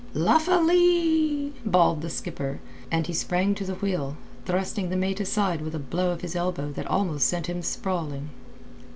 "Luff alee!" bawled the skipper, and he sprang to the wheel, thrusting the mate aside with a blow of his elbow that almost sent him sprawling.